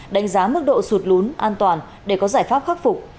đánh giá mức độ sụt lún an toàn để có giải pháp khắc phục